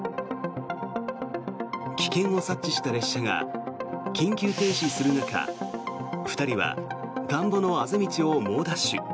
危険を察知した列車が緊急停止する中２人は田んぼのあぜ道を猛ダッシュ。